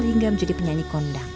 hingga menjadi penyanyi kondang